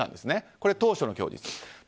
これは当初の供述です。